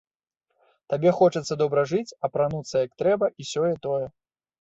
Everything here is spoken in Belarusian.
Табе хочацца добра жыць, апрануцца як трэба, і сёе-тое.